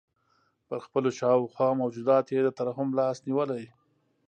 پر خپلو شاوخوا موجوداتو یې د ترحم لاس نیولی.